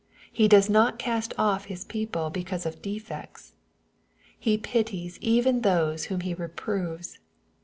He does not cast off His people because of de fects. He pities even those whom "he reproves.